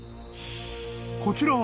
［こちらは］